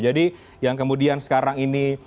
jadi yang kemudian sekarang ini